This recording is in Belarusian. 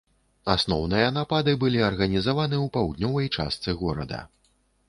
Асноўныя напады былі арганізаваны ў паўднёвай частцы горада.